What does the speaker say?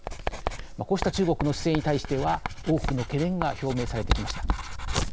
こうした中国の姿勢に対しては多くの懸念が表明されてきました。